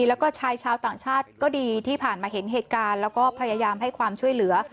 แล้วก็ชายชาวต่างชาติก็ดีที่ผ่านมาเห็นเหตุการณ์แล้วก็พยายามให้ความช่วยเหลือ